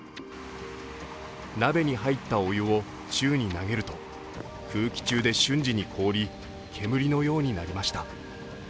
鍋に入ったお湯を宙に投げると空気中で瞬時に凍り煙のようになりました。